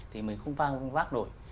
thì mình không vác nổi